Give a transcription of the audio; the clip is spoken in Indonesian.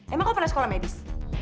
emang kamu pernah sekolah medis